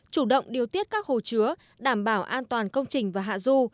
chủ động điều tiết các hồ chứa đảm bảo an toàn công trình và hạ du